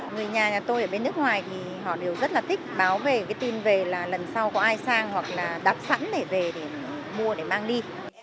người nhà nhà tôi ở bên nước ngoài thì họ đều rất là thích báo về cái tin về là lần sau có ai sang hoặc là đặt sẵn để về để mua để mang đi